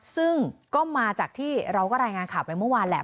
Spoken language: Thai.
ซึ่งก็มาจากที่เราก็รายงานข่าวไปเมื่อวานแหละ